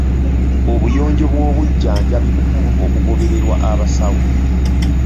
Obuyonjo bw'ebyobujjanjabi bukulu okugobererwa abasawo.